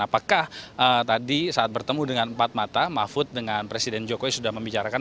apakah tadi saat bertemu dengan empat mata mahfud dengan presiden jokowi sudah membicarakan